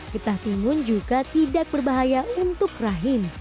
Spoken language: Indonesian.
getah timun juga tidak berbahaya untuk rahim